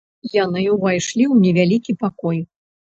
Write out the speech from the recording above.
Яны ўвайшлі ў невялікі пакой.